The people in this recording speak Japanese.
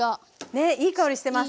ねえいい香りしてます。